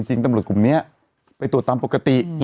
ตำรวจกลุ่มนี้ไปตรวจตามปกติ